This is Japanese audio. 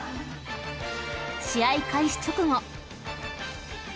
［試合開始直後］